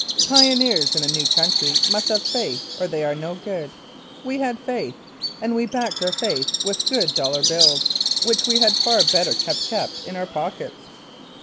Pioneers in a new country must have faith or they are no good. We had faith, and we backed our faith with good dollar bills, which we had far better have kept in our pockets.